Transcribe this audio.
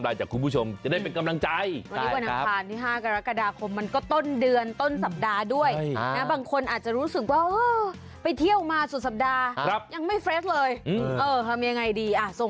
เรื่องน่ารักส่วนจะเป็นเรื่องอะไรเดี๋ยวเรามาติดตามในช่วง